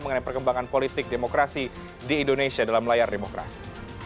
mengenai perkembangan politik demokrasi di indonesia dalam layar demokrasi